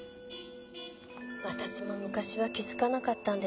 私も昔は気づかなかったんです。